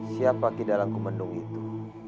siapa kidalang kumendung itu